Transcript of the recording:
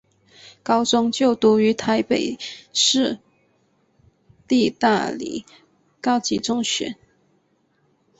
高中就读于台北市立大理高级中学。